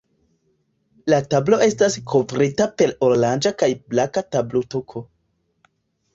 La tablo estas kovrita per oranĝa kaj blanka tablotuko.